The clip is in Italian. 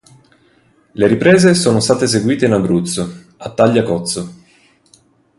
Le riprese sono state eseguite in Abruzzo, a Tagliacozzo.